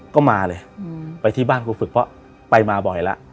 ก็มาเลยไปที่บ้านครูฝึกเพราะไปมาบ่อยแล้ว